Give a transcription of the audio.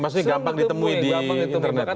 maksudnya gampang ditemui di internet